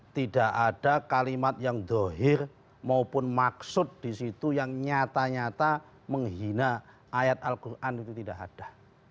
tidak ada kalimat yang dohir maupun maksud di situ yang nyata nyata menghina ayat al quran itu tidak ada